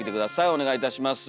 お願いいたします。